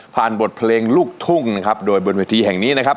บทเพลงลูกทุ่งนะครับโดยบนเวทีแห่งนี้นะครับ